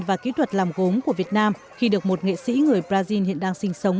và kỹ thuật làm gốm của việt nam khi được một nghệ sĩ người brazil hiện đang sinh sống